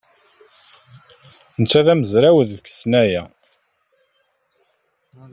Netta d amezraw deg tesnajya.